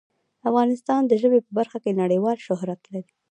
افغانستان د ژبې په برخه کې نړیوال شهرت لري.